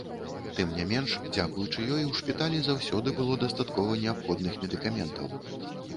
Тым не менш, дзякуючы ёй, у шпіталі заўсёды было дастаткова неабходных медыкаментаў.